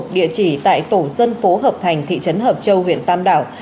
địa chỉ tại tổ dân phố hợp thành thị trấn hợp châu huyện tam đảo